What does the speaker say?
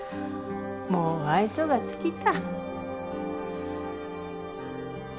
もう愛想が尽きた。